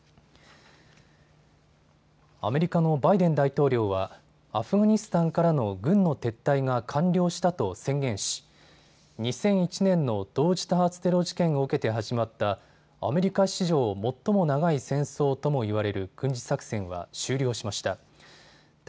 アメリカのバイデン大統領はアフガニスタンからの軍の撤退が完了したと宣言し２００１年の同時多発テロ事件を受けて始まったアメリカ史上最も長い戦争とも言われる軍事作戦は終了しました。